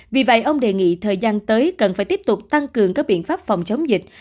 vì vậy ông đề nghị thời gian tới cần phải tiếp tục tăng cường các biện pháp phòng chống dịch